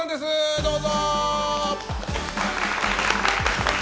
どうぞ！